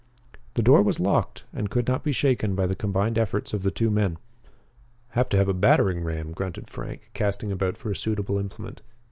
The door was locked and could not be shaken by the combined efforts of the two men. "Have to have a battering ram," grunted Frank, casting about for a suitable implement.